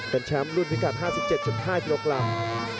เป็นแชมป์รุ่นพิกัด๕๗๕ยกลำ